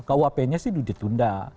kuap nya sih ditunda